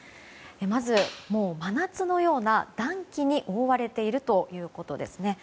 まず、真夏のような暖気に覆われているということです。